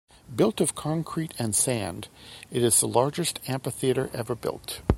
Built of concrete and sand, it is the largest amphitheatre ever built.